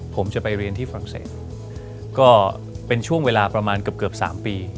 ผมจะไปเรียนที่ฝรั่งเศสก็เป็นช่วงเวลาประมาณเกือบ๓ปี